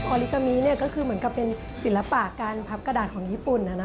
อลิกามิก็คือเหมือนกับเป็นศิลปะการพับกระดาษของญี่ปุ่น